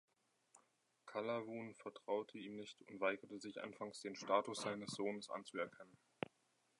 Qalawun vertraute ihm nicht und weigerte sich anfangs, den Status seines Sohnes anzuerkennen.